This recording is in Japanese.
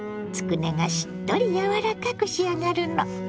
つくねがしっとりやわらかく仕上がるの。